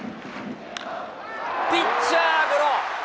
ピッチャーゴロ。